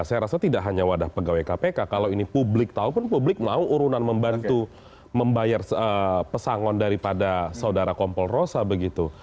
saya rasa tidak hanya wadah pegawai kpk kalau ini publik tahupun publik mau urunan membantu membayar pesangon daripada saudara kompol rosa begitu